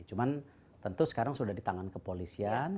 cuman tentu sekarang sudah ditangan ke polisian